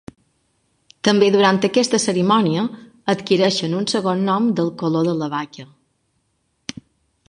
També durant aquesta cerimònia adquireixen un segon nom del color de la vaca.